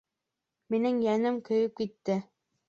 Минең йәнем көйөп китте.